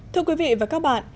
thưa quý vị và các bạn